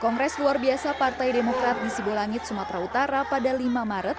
kongres luar biasa partai demokrat di sibulangit sumatera utara pada lima maret dua ribu dua puluh satu